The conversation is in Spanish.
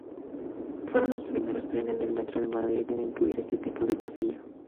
Fueron los primeros trenes del Metro de Madrid en incluir este tipo de pasillo.